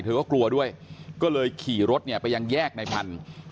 เธอก็กลัวด้วยก็เลยขี่รถเนี่ยไปยังแยกในพันธุ์